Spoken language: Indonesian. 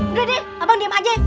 udah deh abang diem aja